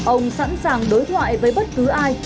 ông sẵn sàng đối thoại với bất cứ ai